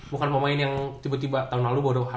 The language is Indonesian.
bukan pemain yang tiba tiba tahun lalu bawa doh